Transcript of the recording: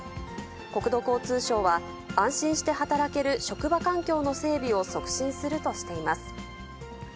国土交通省は、安心して働ける職場環境の整備を促進するとしています。